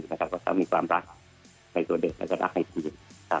และก็จะมีความรักในส่วนเด็กและรักในสิ่ง